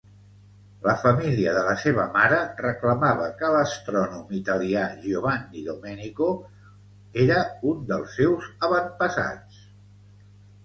La família de la seva mare reclamava que l'astrònom italià Giovanni Domenico era un dels seus avantpassats.